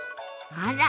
あら。